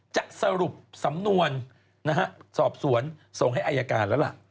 สรุปสำนวนสอบสวนส่งให้อายการแล้วล่ะ